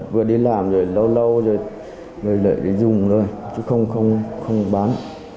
vừa đi làm rồi lâu lâu rồi lại đi dùng thôi chứ không bán